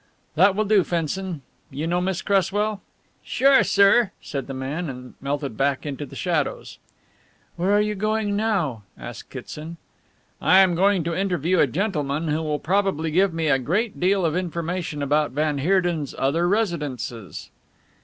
"That will do, Fenson. You know Miss Cresswell?" "Sure, sir," said the man, and melted back into the shadows. "Where are you going now?" asked Kitson. "I am going to interview a gentleman who will probably give me a great deal of information about van Heerden's other residences."